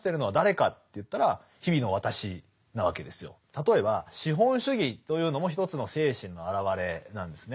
例えば資本主義というのも一つの精神のあらわれなんですね。